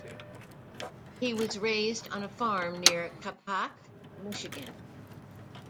He was raised on a farm near Capac, Michigan.